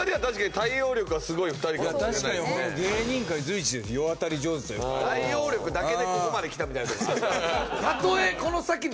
対応力だけでここまできたみたいなところもある。